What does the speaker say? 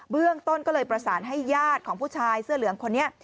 เรื่องต้นก็เลยประสานให้ญาติของผู้ชายเสื้อเหลืองคนนี้